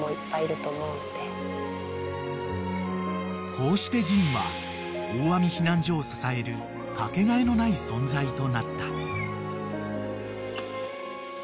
［こうしてぎんはおーあみ避難所を支えるかけがえのない存在となった］